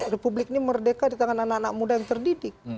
republik ini merdeka di tangan anak anak muda yang terdidik